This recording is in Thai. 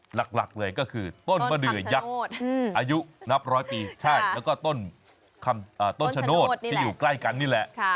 หลักเลยก็คือต้นมะเดือยักษ์อายุนับร้อยปีแล้วก็ต้นชะโนธที่อยู่ใกล้กันนี่แหละ